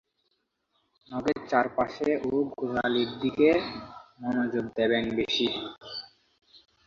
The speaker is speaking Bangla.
নখের চারপাশে ও গোড়ালির দিকে মনোযোগ দেবেন বেশি।